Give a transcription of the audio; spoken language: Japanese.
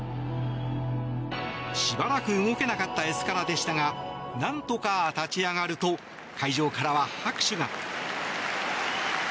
しばらく動けなかったエスカラでしたが何とか立ち上がると会場からは拍手が。